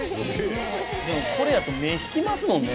でもこれやと目引きますもんね。